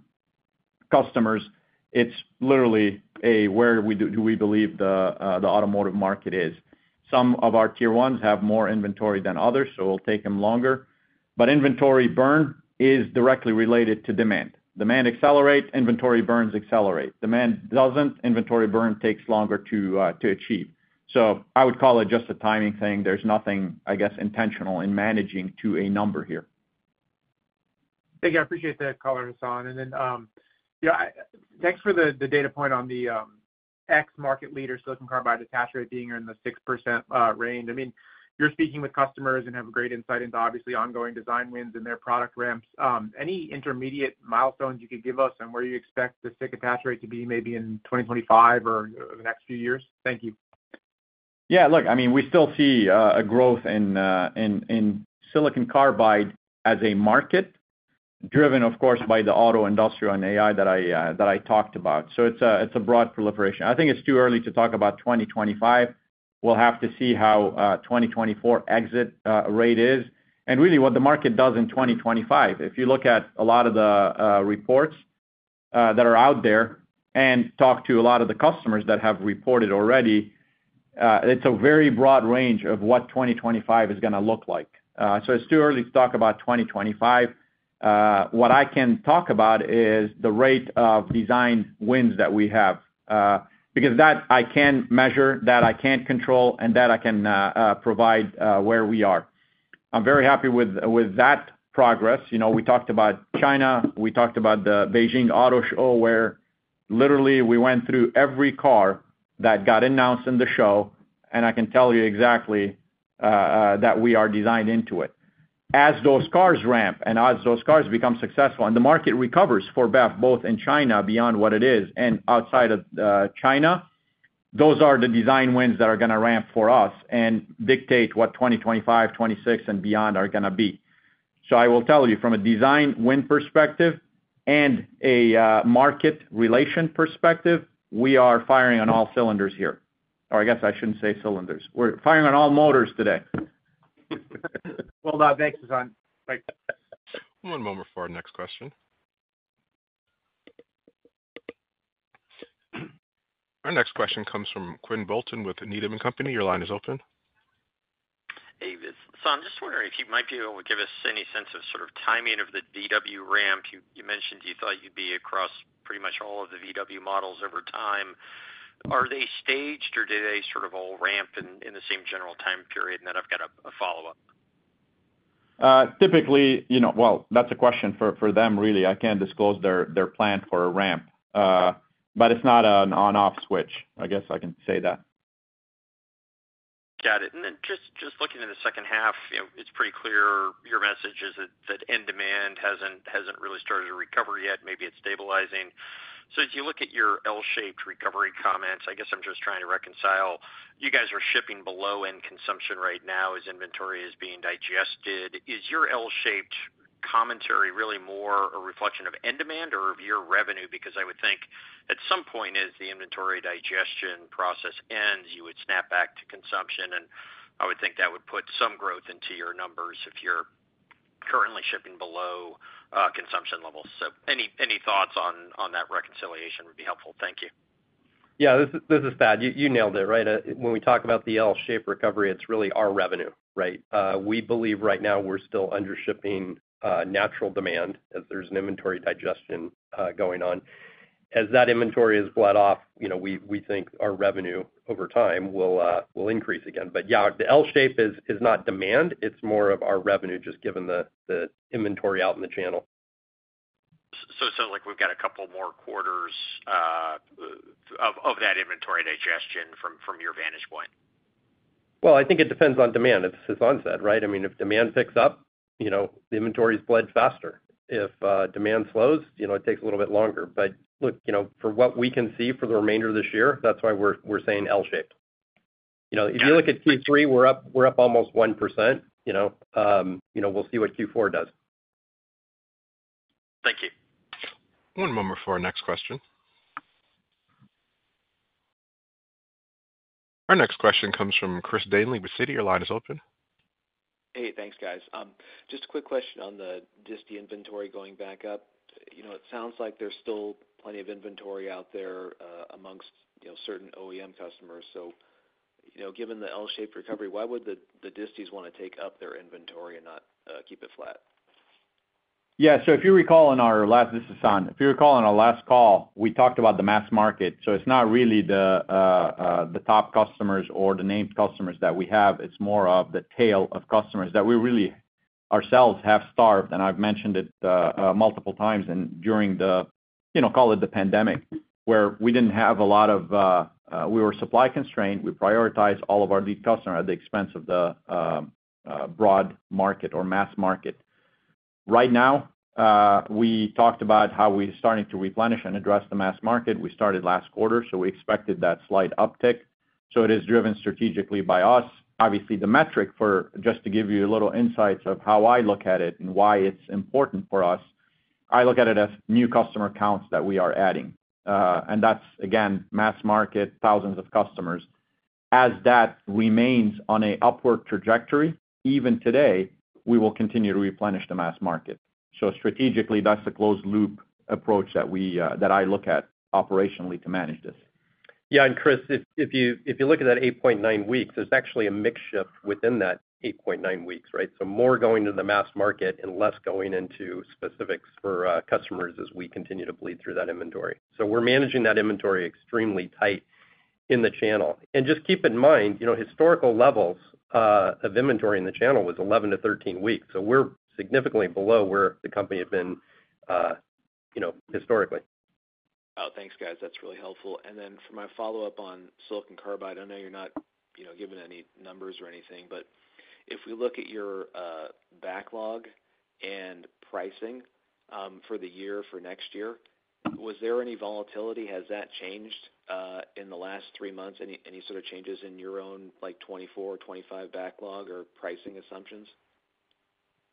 Speaker 3: customers. It's literally where do we believe the automotive market is? Some of our tier ones have more inventory than others, so it'll take them longer. But inventory burn is directly related to demand. Demand accelerates, inventory burns accelerate. Demand doesn't, inventory burn takes longer to achieve. So I would call it just a timing thing. There's nothing, I guess, intentional in managing to a number here.
Speaker 10: Thank you. I appreciate the color, Hassane. And then, yeah, thanks for the data point on the ex-market leader silicon carbide attach rate being in the 6% range. I mean, you're speaking with customers and have great insight into, obviously, ongoing design wins and their product ramps. Any intermediate milestones you could give us on where you expect the SiC attach rate to be, maybe in 2025 or the next few years? Thank you.
Speaker 3: Yeah, look, I mean, we still see a growth in silicon carbide as a market, driven, of course, by the auto industrial and AI that I talked about. So it's a broad proliferation. I think it's too early to talk about 2025. We'll have to see how 2024 exit rate is, and really, what the market does in 2025. If you look at a lot of the reports that are out there and talk to a lot of the customers that have reported already, it's a very broad range of what 2025 is gonna look like. So it's too early to talk about 2025. What I can talk about is the rate of design wins that we have, because that I can measure, that I can control, and that I can provide, where we are. I'm very happy with that progress. You know, we talked about China, we talked about the Beijing Auto Show, where literally we went through every car that got announced in the show, and I can tell you exactly that we are designed into it. As those cars ramp and as those cars become successful and the market recovers for both in China beyond what it is and outside of China, those are the design wins that are gonna ramp for us and dictate what 2025, 2026, and beyond are gonna be. I will tell you, from a design win perspective and a market relation perspective, we are firing on all cylinders here, or I guess I shouldn't say cylinders. We're firing on all motors today.
Speaker 10: Well done. Thanks, Hassane. Great.
Speaker 1: One moment for our next question. Our next question comes from Quinn Bolton with Needham and Company. Your line is open.
Speaker 11: Hey, so I'm just wondering if you might be able to give us any sense of sort of timing of the VW ramp. You mentioned you thought you'd be across pretty much all of the VW models over time. Are they staged, or do they sort of all ramp in the same general time period? And then I've got a follow-up.
Speaker 3: Typically, you know, well, that's a question for them, really. I can't disclose their plan for a ramp, but it's not an on/off switch. I guess I can say that....
Speaker 11: Just looking in the second half, you know, it's pretty clear your message is that end demand hasn't really started to recover yet. Maybe it's stabilizing. So as you look at your L-shaped recovery comments, I guess I'm just trying to reconcile. You guys are shipping below end consumption right now as inventory is being digested. Is your L-shaped commentary really more a reflection of end demand or of your revenue? Because I would think at some point, as the inventory digestion process ends, you would snap back to consumption, and I would think that would put some growth into your numbers if you're currently shipping below consumption levels. So any thoughts on that reconciliation would be helpful. Thank you.
Speaker 4: Yeah, this is Thad. You nailed it, right? When we talk about the L-shaped recovery, it's really our revenue, right? We believe right now we're still under shipping natural demand as there's an inventory digestion going on. As that inventory is bled off, you know, we think our revenue over time will increase again. But yeah, the L shape is not demand, it's more of our revenue, just given the inventory out in the channel.
Speaker 11: So, so like we've got a couple more quarters of that inventory digestion from your vantage point?
Speaker 4: Well, I think it depends on demand, as Hassane said, right? I mean, if demand picks up, you know, the inventory is bled faster. If demand slows, you know, it takes a little bit longer. But look, you know, for what we can see for the remainder of this year, that's why we're, we're saying L-shaped. You know, if you look at Q3, we're up, we're up almost 1%, you know, we'll see what Q4 does.
Speaker 11: Thank you.
Speaker 1: One moment for our next question. Our next question comes from Chris Danely with Citi. Your line is open.
Speaker 12: Hey, thanks, guys. Just a quick question on the disti inventory going back up. You know, it sounds like there's still plenty of inventory out there, among, you know, certain OEM customers. So, you know, given the L-shaped recovery, why would the, the distis want to take up their inventory and not, keep it flat?
Speaker 3: This is Hassane. If you recall on our last call, we talked about the mass market. So it's not really the top customers or the named customers that we have. It's more of the tail of customers that we really ourselves have starved, and I've mentioned it multiple times and during the, you know, call it the pandemic, where we didn't have a lot of, we were supply constrained. We prioritized all of our lead customers at the expense of the broad market or mass market. Right now, we talked about how we're starting to replenish and address the mass market. We started last quarter, so we expected that slight uptick. So it is driven strategically by us. Obviously, the metric for, just to give you a little insights of how I look at it and why it's important for us, I look at it as new customer counts that we are adding. And that's, again, mass market, thousands of customers. As that remains on a upward trajectory, even today, we will continue to replenish the mass market. So strategically, that's the closed loop approach that we, that I look at operationally to manage this.
Speaker 4: Yeah, and Chris, if you look at that 8.9 weeks, there's actually a mix shift within that 8.9 weeks, right? So more going to the mass market and less going into specifics for customers as we continue to bleed through that inventory. So we're managing that inventory extremely tight in the channel. And just keep in mind, you know, historical levels of inventory in the channel was 11-13 weeks, so we're significantly below where the company had been, you know, historically.
Speaker 12: Oh, thanks, guys. That's really helpful. And then for my follow-up on silicon carbide, I know you're not, you know, giving any numbers or anything, but if we look at your backlog and pricing, for the year, for next year, was there any volatility? Has that changed, in the last three months? Any, any sort of changes in your own, like, 2024 or 2025 backlog or pricing assumptions?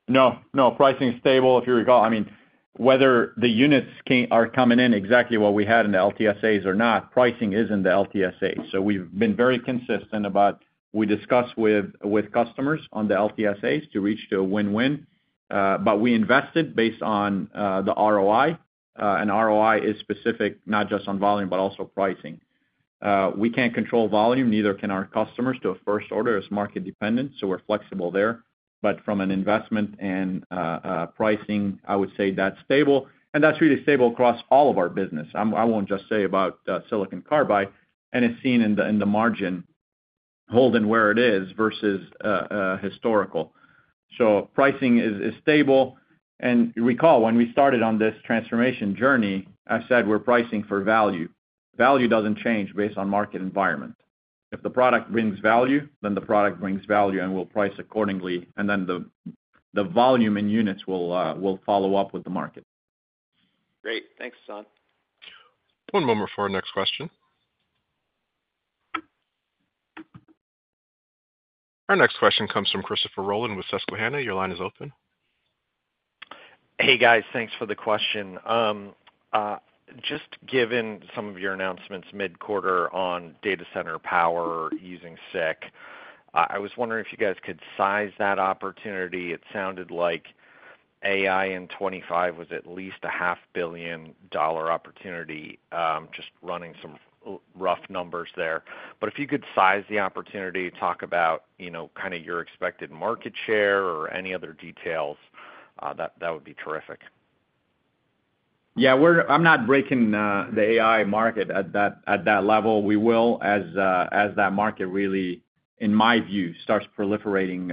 Speaker 3: No, no. Pricing is stable. If you recall, I mean, whether the units are coming in exactly what we had in the LTSAs or not, pricing is in the LTSAs. So we've been very consistent about, we discuss with customers on the LTSAs to reach to a win-win, but we invested based on the ROI, and ROI is specific, not just on volume, but also pricing. We can't control volume, neither can our customers to a first order. It's market dependent, so we're flexible there. But from an investment and pricing, I would say that's stable, and that's really stable across all of our business. I won't just say about silicon carbide, and it's seen in the margin holding where it is versus historical. So pricing is stable. Recall, when we started on this transformation journey, I said we're pricing for value. Value doesn't change based on market environment. If the product brings value, then the product brings value, and we'll price accordingly, and then the volume in units will follow up with the market.
Speaker 12: Great. Thanks, Hassane.
Speaker 1: One moment for our next question. Our next question comes from Christopher Rolland with Susquehanna. Your line is open.
Speaker 13: Hey, guys. Thanks for the question. Just given some of your announcements mid-quarter on data center power using SiC, I was wondering if you guys could size that opportunity. It sounded like AI in 25 was at least a $500 million opportunity, just running some rough numbers there. But if you could size the opportunity to talk about, you know, kind of your expected market share or any other details, that would be terrific.
Speaker 3: Yeah, we're - I'm not breaking the AI market at that level. We will, as that market really, in my view, starts proliferating,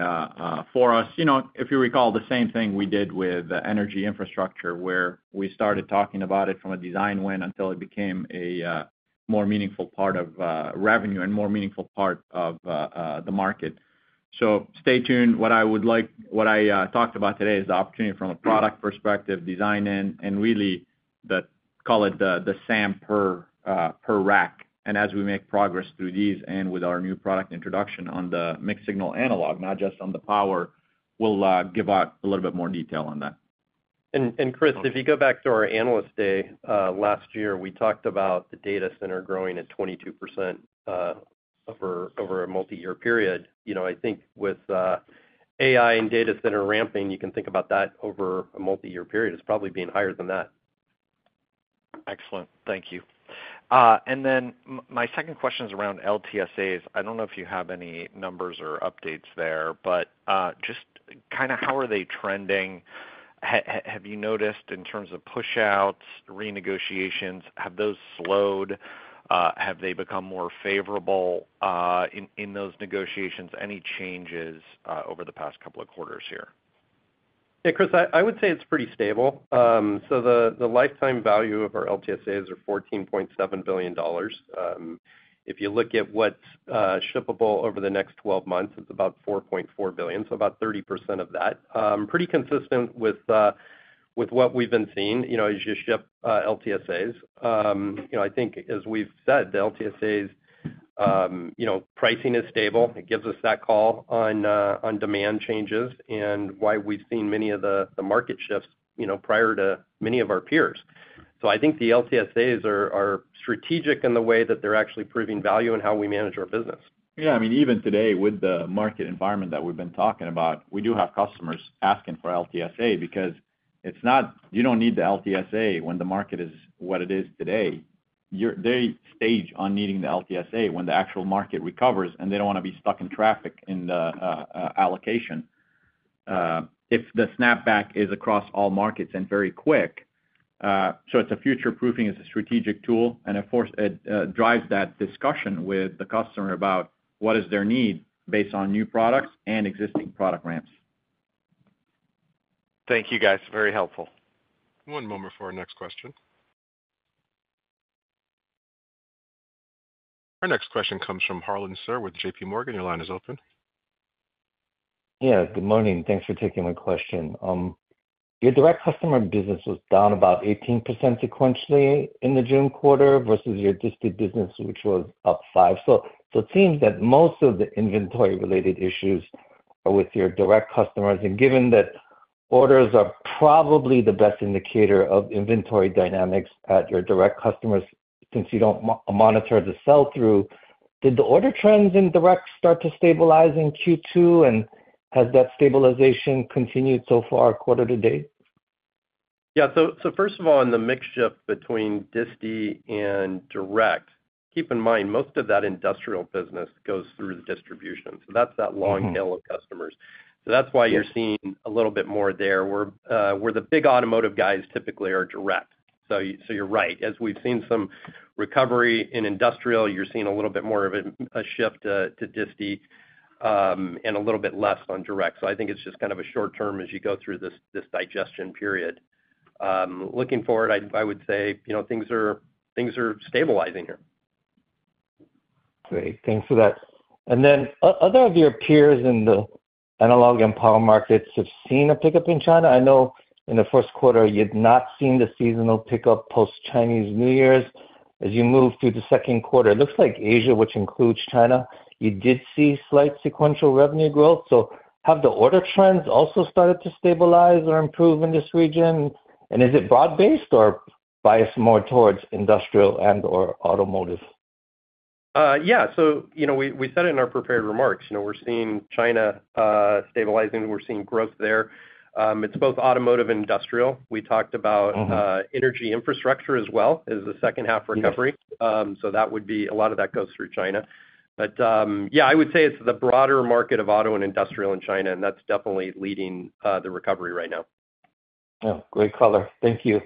Speaker 3: for us. You know, if you recall, the same thing we did with the energy infrastructure, where we started talking about it from a design win until it became a more meaningful part of revenue and more meaningful part of the market. So stay tuned. What I would like - what I talked about today is the opportunity from a product perspective, design in, and really the, call it the SAM per rack. And as we make progress through these and with our new product introduction on the mixed signal analog, not just on the power, we'll give out a little bit more detail on that.
Speaker 4: Chris, if you go back to our Analyst Day last year, we talked about the data center growing at 22% over a multi-year period. You know, I think with AI and data center ramping, you can think about that over a multi-year period. It's probably being higher than that.
Speaker 13: Excellent. Thank you. And then my second question is around LTSAs. I don't know if you have any numbers or updates there, but just kind of how are they trending? Have you noticed in terms of pushouts, renegotiations, have those slowed? Have they become more favorable in those negotiations? Any changes over the past couple of quarters here?
Speaker 4: Yeah, Chris, I would say it's pretty stable. So the lifetime value of our LTSAs is $14.7 billion. If you look at what's shippable over the next 12 months, it's about $4.4 billion, so about 30% of that. Pretty consistent with what we've been seeing, you know, as you ship LTSAs. You know, I think as we've said, the LTSAs, you know, pricing is stable. It gives us that call on demand changes and why we've seen many of the market shifts, you know, prior to many of our peers. So I think the LTSAs are strategic in the way that they're actually proving value in how we manage our business.
Speaker 3: Yeah, I mean, even today, with the market environment that we've been talking about, we do have customers asking for LTSA because it's not, you don't need the LTSA when the market is what it is today. They stage on needing the LTSA when the actual market recovers, and they don't want to be stuck in traffic in the allocation if the snapback is across all markets and very quick. So it's a future-proofing, it's a strategic tool, and of course, it drives that discussion with the customer about what is their need based on new products and existing product ramps.
Speaker 13: Thank you, guys. Very helpful.
Speaker 1: One moment for our next question. Our next question comes from Harlan Sur with JP Morgan. Your line is open.
Speaker 14: Yeah, good morning. Thanks for taking my question. Your direct customer business was down about 18% sequentially in the June quarter versus your disti business, which was up 5%. So, so it seems that most of the inventory-related issues are with your direct customers, and given that orders are probably the best indicator of inventory dynamics at your direct customers, since you don't monitor the sell-through, did the order trends in direct start to stabilize in Q2, and has that stabilization continued so far quarter to date?
Speaker 4: Yeah. So, so first of all, on the mix shift between disti and direct, keep in mind, most of that industrial business goes through the distribution.
Speaker 14: Mm-hmm.
Speaker 4: So that's that long tail of customers.
Speaker 14: Yeah.
Speaker 4: So that's why you're seeing a little bit more there, where, where the big automotive guys typically are direct. So you, so you're right. As we've seen some recovery in industrial, you're seeing a little bit more of a shift to disti, and a little bit less on direct. So I think it's just kind of a short term as you go through this digestion period. Looking forward, I would say, you know, things are stabilizing here.
Speaker 14: Great. Thanks for that. And then other of your peers in the analog and power markets have seen a pickup in China. I know in the Q1, you'd not seen the seasonal pickup post-Chinese New Year's. As you move through the Q2, it looks like Asia, which includes China, you did see slight sequential revenue growth. So have the order trends also started to stabilize or improve in this region? And is it broad-based or biased more towards industrial and/or automotive?
Speaker 4: Yeah. So, you know, we said it in our prepared remarks. You know, we're seeing China stabilizing, and we're seeing growth there. It's both automotive and industrial.
Speaker 14: Mm-hmm.
Speaker 4: We talked about energy infrastructure as well as the second half recovery.
Speaker 14: Yes.
Speaker 4: So that would be a lot of that goes through China. But yeah, I would say it's the broader market of auto and industrial in China, and that's definitely leading the recovery right now.
Speaker 14: Oh, great color. Thank you.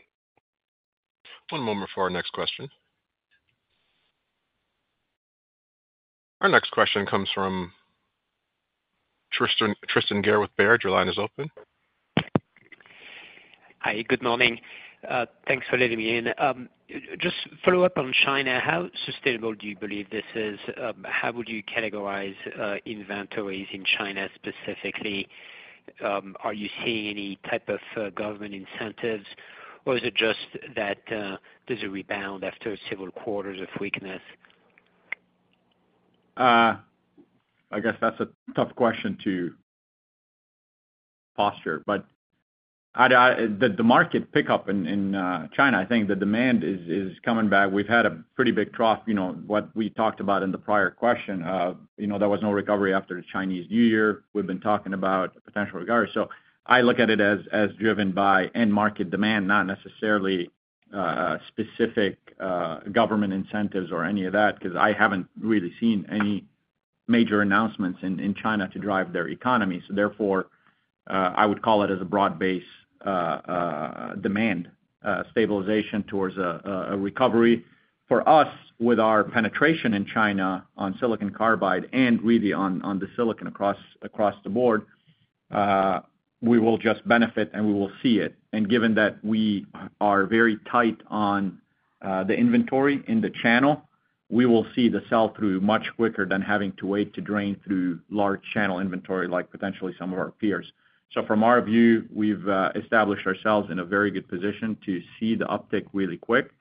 Speaker 1: One moment for our next question. Our next question comes from Tristan, Tristan Gerra with Baird. Your line is open.
Speaker 15: Hi, good morning. Thanks for letting me in. Just follow up on China, how sustainable do you believe this is? How would you categorize inventories in China specifically? Are you seeing any type of government incentives, or is it just that there's a rebound after several quarters of weakness?
Speaker 3: I guess that's a tough question to posture, but the market pickup in China, I think the demand is coming back. We've had a pretty big trough, you know, what we talked about in the prior question. You know, there was no recovery after the Chinese New Year. We've been talking about potential recovery. So I look at it as driven by end-market demand, not necessarily specific government incentives or any of that, because I haven't really seen any major announcements in China to drive their economy. So therefore, I would call it as a broad-base demand stabilization towards a recovery. For us, with our penetration in China on silicon carbide and really on the silicon across the board, we will just benefit and we will see it. Given that we are very tight on the inventory in the channel, we will see the sell-through much quicker than having to wait to drain through large channel inventory, like potentially some of our peers. So from our view, we've established ourselves in a very good position to see the uptick really quick.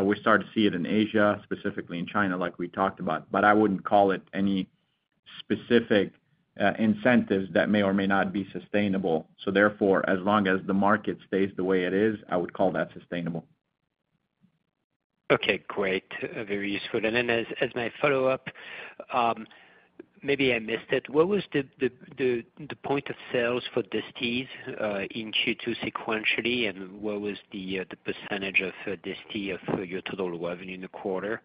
Speaker 3: We start to see it in Asia, specifically in China, like we talked about, but I wouldn't call it any specific incentives that may or may not be sustainable. So therefore, as long as the market stays the way it is, I would call that sustainable.
Speaker 15: Okay, great. Very useful. And then as my follow-up, maybe I missed it. What was the point of sales for distis in Q2 sequentially, and what was the percentage of disti of your total revenue in the quarter?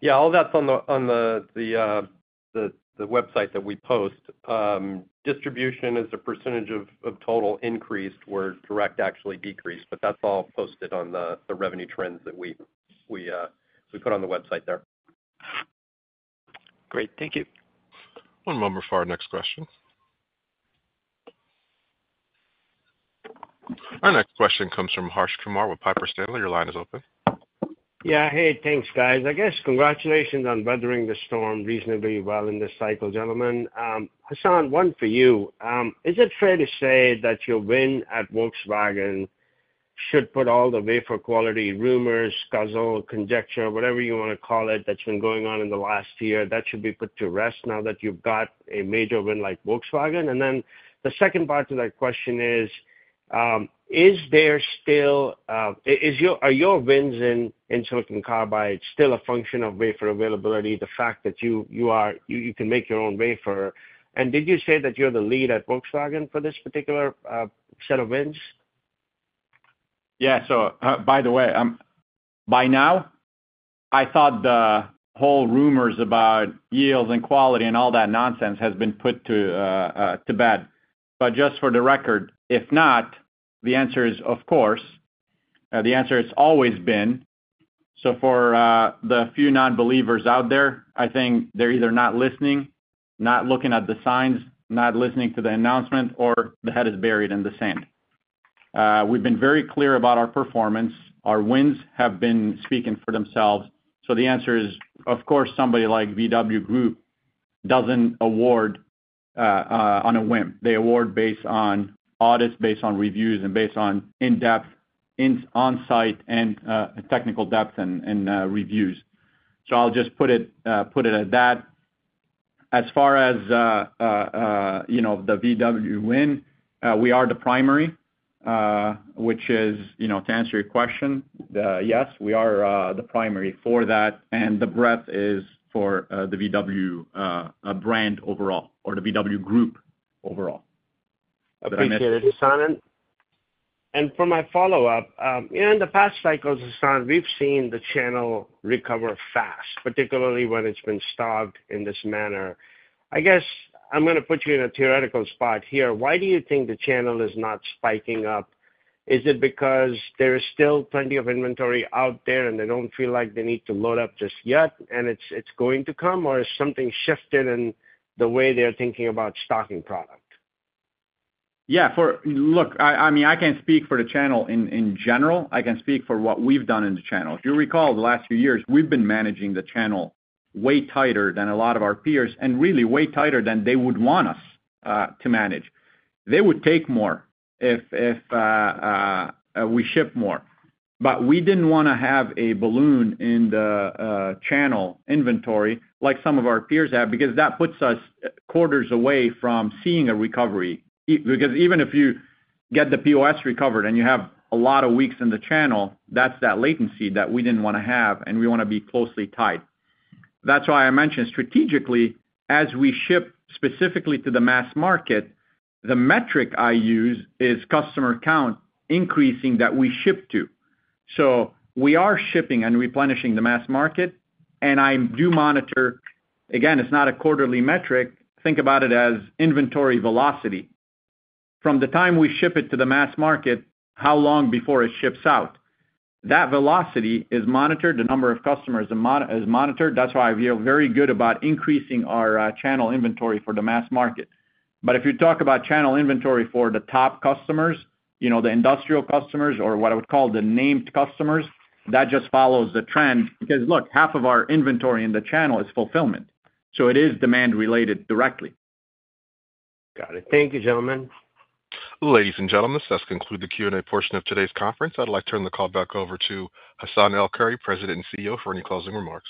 Speaker 4: Yeah, all that's on the website that we post. Distribution as a percentage of total increased, where direct actually decreased, but that's all posted on the revenue trends that we put on the website there.
Speaker 15: Great. Thank you.
Speaker 1: One moment for our next question. Our next question comes from Harsh Kumar with Piper Sandler. Your line is open.
Speaker 16: Yeah, hey, thanks, guys. I guess congratulations on weathering the storm reasonably well in this cycle, gentlemen. Hassane, one for you. Is it fair to say that your win at Volkswagen should put all the wafer quality rumors, scuttlebutt, conjecture, whatever you wanna call it, that's been going on in the last year, that should be put to rest now that you've got a major win like Volkswagen? And then the second part to that question is, is there still, is your- are your wins in silicon carbide still a function of wafer availability, the fact that you, you are-- you, you can make your own wafer? And did you say that you're the lead at Volkswagen for this particular, set of wins?
Speaker 3: Yeah. So, by the way, by now, I thought the whole rumors about yields and quality and all that nonsense has been put to bed. But just for the record, if not, the answer is of course, the answer has always been. So for the few non-believers out there, I think they're either not listening, not looking at the signs, not listening to the announcement, or their head is buried in the sand. We've been very clear about our performance. Our wins have been speaking for themselves, so the answer is, of course, somebody like VW Group doesn't award on a whim. They award based on audits, based on reviews, and based on in-depth, on-site, and technical depth and reviews. So I'll just put it at that. As far as you know, the VW win, we are the primary, which is, you know, to answer your question, yes, we are the primary for that, and the breadth is for the VW brand overall, or the VW group overall.
Speaker 16: Appreciated, Hassane. And for my follow-up, in the past cycles, Hassane, we've seen the channel recover fast, particularly when it's been starved in this manner. I guess I'm gonna put you in a theoretical spot here. Why do you think the channel is not spiking up? Is it because there is still plenty of inventory out there, and they don't feel like they need to load up just yet, and it's going to come, or has something shifted in the way they're thinking about stocking product?
Speaker 3: Yeah, look, I mean, I can't speak for the channel in general. I can speak for what we've done in the channel. If you recall, the last few years, we've been managing the channel way tighter than a lot of our peers, and really way tighter than they would want us to manage. They would take more if we ship more. But we didn't wanna have a balloon in the channel inventory like some of our peers have, because that puts us quarters away from seeing a recovery. Even because even if you get the POS recovered and you have a lot of weeks in the channel, that's that latency that we didn't wanna have, and we wanna be closely tied. That's why I mentioned strategically, as we ship specifically to the mass market, the metric I use is customer count increasing that we ship to. So we are shipping and replenishing the mass market, and I do monitor, again, it's not a quarterly metric. Think about it as inventory velocity. From the time we ship it to the mass market, how long before it ships out? That velocity is monitored, the number of customers is monitored. That's why I feel very good about increasing our channel inventory for the mass market. But if you talk about channel inventory for the top customers, you know, the industrial customers or what I would call the named customers, that just follows the trend. Because, look, half of our inventory in the channel is fulfillment, so it is demand related directly.
Speaker 16: Got it. Thank you, gentlemen.
Speaker 1: Ladies and gentlemen, this does conclude the Q&A portion of today's conference. I'd like to turn the call back over to Hassane El-Khoury, President and CEO, for any closing remarks.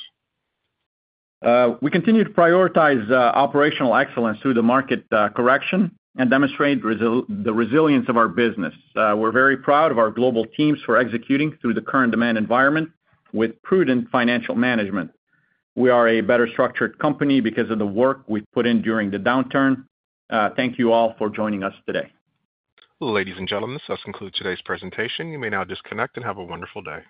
Speaker 3: We continue to prioritize operational excellence through the market correction and demonstrate the resilience of our business. We're very proud of our global teams for executing through the current demand environment with prudent financial management. We are a better structured company because of the work we've put in during the downturn. Thank you all for joining us today.
Speaker 1: Ladies and gentlemen, this does conclude today's presentation. You may now disconnect and have a wonderful day.